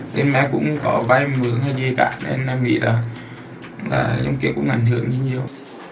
thế mà cũng có vai mượn hay gì cả nên em nghĩ là giống kiểu cũng ảnh hưởng như nhiều